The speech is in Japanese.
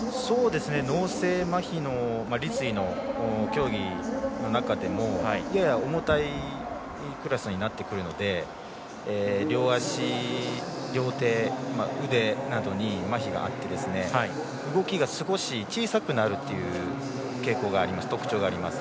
脳性まひの立位の競技の中でもやや重たいクラスになってくるので両足、両手、腕などにまひがあって動きが少し小さくなるという特徴があります。